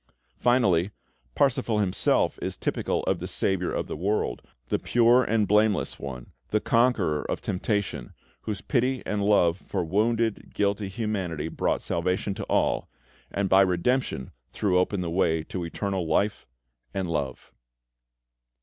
Finally, Parsifal himself is typical of the Saviour of the world, the pure and blameless One, the Conqueror of Temptation, Whose pity and love for wounded, guilty humanity brought salvation to all, and by redemption threw open the way to eternal Life and Love.